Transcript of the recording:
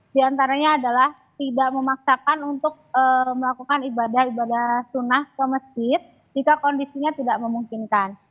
di antaranya adalah tidak memaksakan untuk melakukan ibadah ibadah sunnah ke masjid jika kondisinya tidak memungkinkan